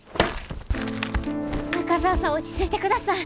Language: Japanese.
中澤さん落ち着いてください。